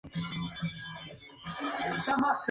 Se centró en el retrato y era bien valorada.